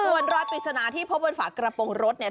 ส่วนรอยปริศนาที่พบบนฝากระโปรงรถเนี่ย